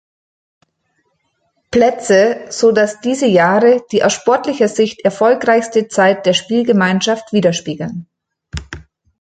Plätze, sodass diese Jahre die aus sportlicher Sicht erfolgreichste Zeit der Spielgemeinschaft widerspiegeln.